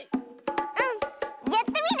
うんやってみる！